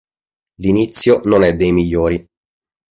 L'inizio non è dei migliori.